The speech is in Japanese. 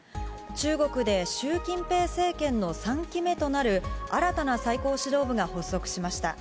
中国で習近平政権の３期目となる新たな最高指導部が発足しました。